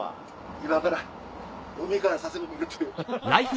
今から海から佐世保見るという。